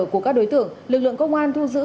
của các đối tượng lực lượng công an thu giữ